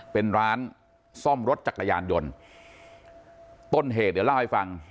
เป็นร้านซ่อมรถจักรยานยนต์ต้นเหตุเดี๋ยวเล่าให้ฟัง